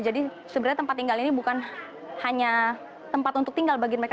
jadi sebenarnya tempat tinggal ini bukan hanya tempat untuk tinggal bagi mereka